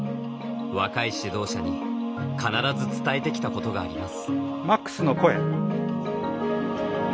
若い指導者に必ず伝えてきたことがあります。